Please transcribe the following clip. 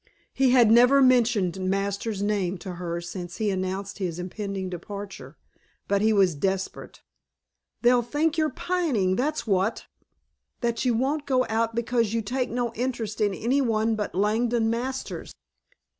He had never mentioned Masters' name to her since he announced his impending departure, but he was desperate. "They'll think you're pining, that's what! That you won't go out because you take no interest in any one but Langdon Masters."